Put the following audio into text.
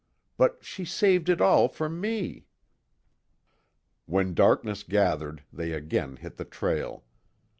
But she saved it all for me." When darkness gathered, they again hit the trail.